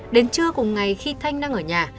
đến trưa cùng ngày khi thanh đang ở nhà